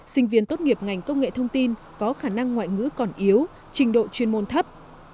sinh viên tốt nghiệp ngành công nghệ thông tin có khả năng ngoại ngữ còn yếu trình độ chuyên môn thấp